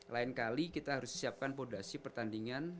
lain kali kita harus siapkan fondasi pertandingan